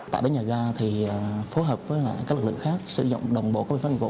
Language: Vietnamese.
tại bến nhà ga thì phối hợp với các lực lượng khác sử dụng đồng bộ có biên pháp hành vụ